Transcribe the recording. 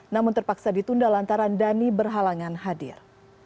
namun terpaksa ditunda lantaran dhani berhalangan hadir